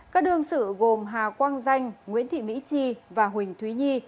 các đương sự gồm hà quang danh nguyễn thị mỹ chi và huỳnh thúy nhi